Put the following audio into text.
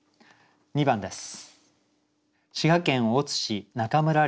２番です。